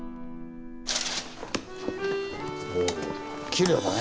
ほうきれいだね。